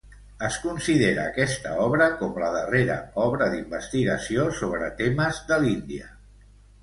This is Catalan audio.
Es considera aquesta obra com la darrera obra d'investigació sobre temes de l'Índia.